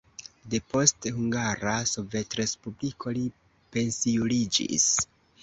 Depost Hungara Sovetrespubliko li pensiuliĝis.